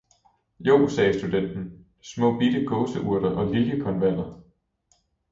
"Jo," sagde studenten, "småbitte gåseurter og liljekonvaller!"